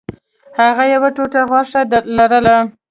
هغه یوه ټوټه غوښه لرله.